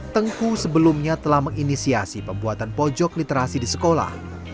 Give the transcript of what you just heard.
tengku sebelumnya telah menginisiasi pembuatan pojok literasi di sekolah